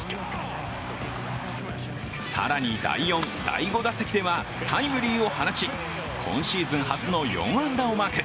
更に、第４、第５打席ではタイムリーを放ち、今シーズン初の４安打をマーク。